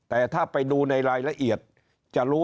ทั้งตำรวจทั้งทหารทั้งฝ่ายปกครองและทั้งเจ้าหน้าที่สาธารณสุขด้วย